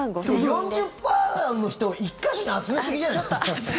その４０％の人を１か所に集めすぎじゃないですか？